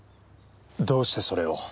どうしてそれを？